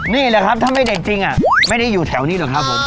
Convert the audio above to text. นี่แหละครับถ้าไม่เด็ดจริงไม่ได้อยู่แถวนี้หรอกครับผม